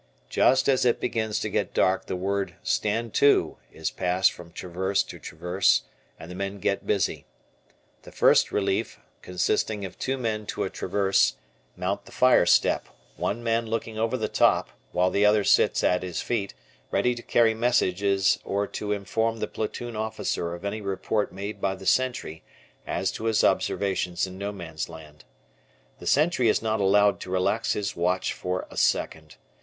Just as it begins to get dark the word "stand to" is passed from traverse to traverse, and the men get busy. The first relief, consisting of two men to a traverse, mount the fire step, one man looking over the top, while the other sits at his feet, ready to carry messages or to inform the platoon officer of any report made by the sentry as to his observations in No Man's Land. The sentry is not allowed to relax his watch for a second.